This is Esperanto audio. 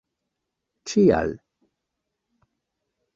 ĉial